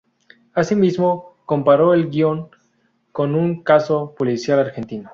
Asimismo, comparó el guion con un caso policial argentino.